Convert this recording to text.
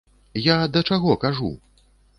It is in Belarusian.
Я да чаго кажу?